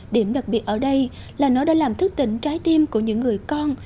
điểm đặc biệt ở đây là nó đã làm thức tỉnh trái tim của những người con